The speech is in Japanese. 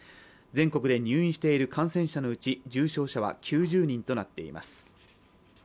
全国で入院している感染者のうち重症者は９０人となっています。